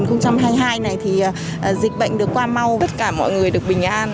năm hai nghìn hai mươi hai này thì dịch bệnh được qua mau tất cả mọi người được bình an